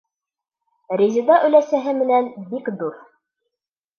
Резеда оләсәһе менән бик дуҫ.